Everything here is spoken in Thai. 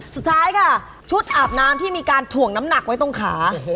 สุดท้ายค่ะชุดอาบน้ำที่มีการถ่วงน้ำหนักไว้ตรงขา